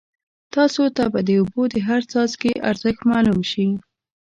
تاسو ته به د اوبو د هر څاڅکي ارزښت معلوم شي.